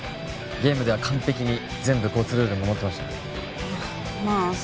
ゲームでは完璧に全部交通ルール守ってましたからあっ